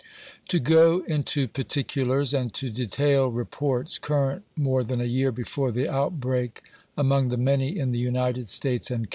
To go into particulars, and to detail reports current more than a year before, the outbreak, among the many in the United States and.